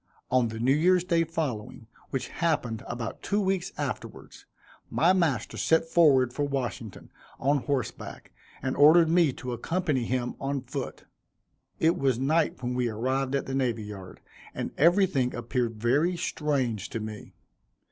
On the New Year's day following, which happened about two weeks afterwards, my master set forward for Washington, on horseback, and ordered me to accompany him on foot. It was night when we arrived at the Navy Yard, and everything appeared very strange to me.